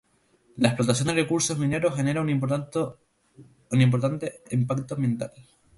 La explotación de recursos mineros genera un importante impacto ambiental.